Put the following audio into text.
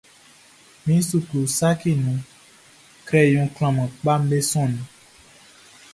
Min suklu saciʼn nunʼn, crayon klanman kpaʼm be sɔnnin.